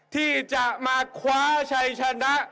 ที่จะมาคว้าชัยชนะ